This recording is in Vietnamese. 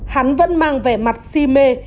hắn vẫn mang vẻ mặt si mê